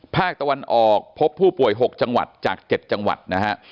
ภาคตะวันออกพบผู้ป่วย๖จังหวัดจาก๗จังหวัดนะฮะ